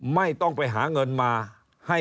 ไม่ต้องไปหาเงินมาให้